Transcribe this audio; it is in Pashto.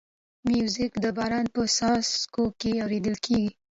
موزیک د باران په څاڅو کې اورېدل کېږي.